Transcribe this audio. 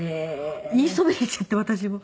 言いそびれちゃって私も。